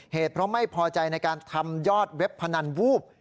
เพราะไม่พอใจในการทำยอดเว็บพนันวูบ